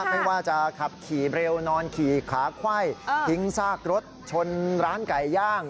ไม่ว่าจะขับขี่เร็วนอนขี่ขาไขว้ทิ้งซากรถชนร้านไก่ย่าง